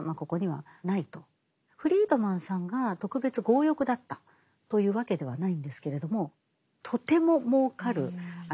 フリードマンさんが特別強欲だったというわけではないんですけれどもとても儲かるドクトリン。